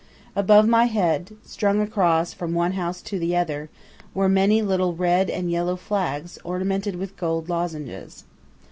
Above my head, strung across from one house to the other, were many little red and yellow flags ornamented with gold lozenges.